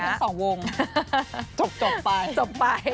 ก็ไปทั้ง๒วงจบไป